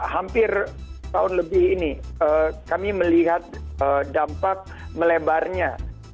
hampir tahun lebih ini kami melihat dampak melebarnya